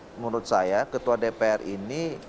menurut saya ketua dpr ini